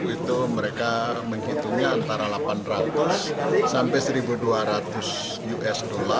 itu mereka menghitungnya antara delapan ratus sampai satu dua ratus usd